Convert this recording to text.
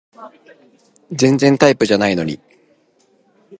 全然タイプじゃないのに